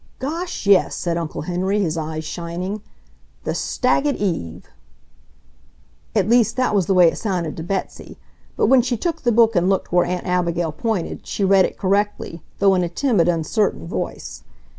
"Gosh, yes!" said Uncle Henry, his eyes shining. "The staggit eve!" At least that was the way it sounded to Betsy, but when she took the book and looked where Aunt Abigail pointed she read it correctly, though in a timid, uncertain voice.